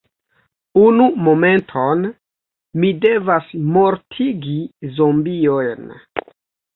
Unu momenton, mi devas mortigi zombiojn.